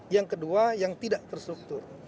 yang kedua yang tidak terstruktur